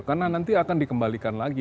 karena nanti akan dikembalikan lagi